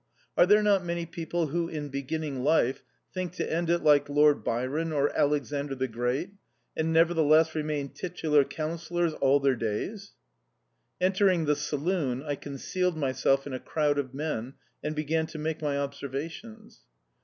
Are there not many people who, in beginning life, think to end it like Lord Byron or Alexander the Great, and, nevertheless, remain Titular Councillors all their days?" Entering the saloon, I concealed myself in a crowd of men, and began to make my observations.